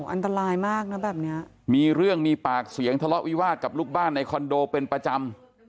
อันตรายมากนะแบบนี้มีเรื่องมีปากเสียงทะเลาะวิวาสกับลูกบ้านในคอนโดเป็นประจำ